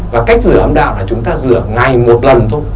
và cách rửa âm đạo là chúng ta rửa ngày một lần thôi